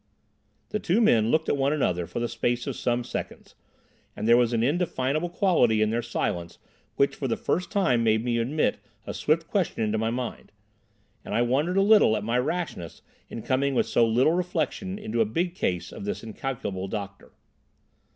The two men looked at one another for the space of some seconds, and there was an indefinable quality in their silence which for the first time made me admit a swift question into my mind; and I wondered a little at my rashness in coming with so little reflection into a big case of this incalculable doctor.